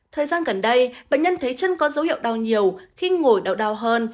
thời gian gần đây bệnh nhân thấy chân có dấu hiệu đau nhiều khi ngồi đau hơn